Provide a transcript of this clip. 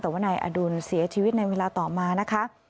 แต่ว่านายอดุลเสียชีวิตในเวลาต่อมานะคะ